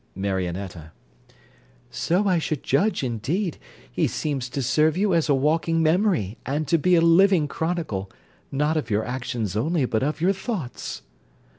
MARIONETTA So I should judge, indeed. He seems to serve you as a walking memory, and to be a living chronicle, not of your actions only, but of your thoughts.